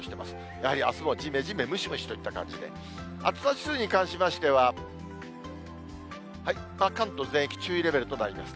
やはりあすもじめじめ、ムシムシといった感じで、暑さ指数に関しましては、関東全域、注意レベルとなります。